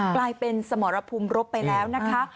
กลายเป็นสมรภูมิรบไปแล้วนะคะ